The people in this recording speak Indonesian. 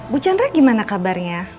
bu jandra gimana kabarnya